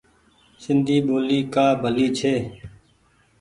سندي ٻولي ڪآ ڀلي ڇي۔